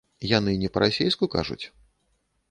Яны не па-расейску кажуць?